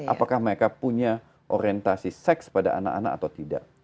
apakah mereka punya orientasi seks pada anak anak atau tidak